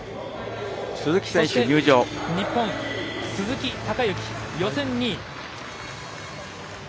そして、日本鈴木孝幸、予選２位。